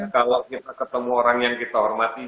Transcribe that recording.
kalau kita ketemu orang yang kita hormati